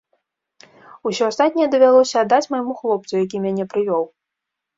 Усё астатняе давялося аддаць майму хлопцу, які мяне прывёў.